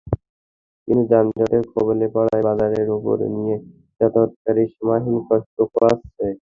কিন্তু যানজটের কবলে পড়ায় বাজারের ওপর দিয়ে যাতায়াতকারীরা সীমাহীন কষ্ট পোহাচ্ছে।